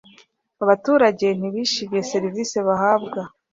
abaturage ntibishimiye serivisi bahabwa